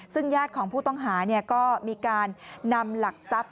ซึ่งญาติของผู้ต้องหาก็มีการนำหลักทรัพย์